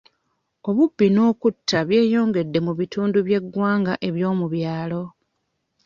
Obubbi n'okutta byeyongedde mu bitundu by'eggwanga eby'omu byalo.